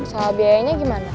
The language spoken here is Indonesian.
salah biayanya gimana